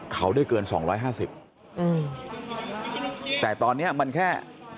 เขาได้เกิน๒๕๐แต่ตอนนี้มันแค่๑๕๑